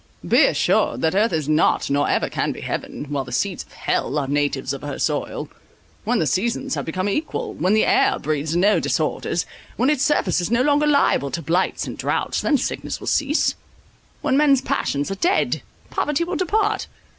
"Be assured that earth is not, nor ever can be heaven, while the seeds of hell are natives of her soil. When the seasons have become equal, when the air breeds no disorders, when its surface is no longer liable to blights and droughts, then sickness will cease; when men's passions are dead, poverty will depart.